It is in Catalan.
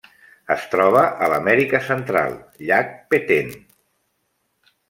Es troba a l'Amèrica Central: llac Petén.